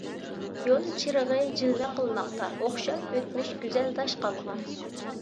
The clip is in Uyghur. يول چىرىغى جىلۋە قىلماقتا. ئوخشار ئۆتمۈش گۈزەل داشقالغا.